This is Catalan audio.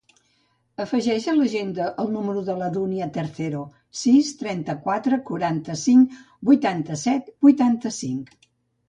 Afegeix a l'agenda el número de la Dúnia Tercero: sis, trenta-quatre, quaranta-cinc, vuitanta-set, vuitanta-cinc.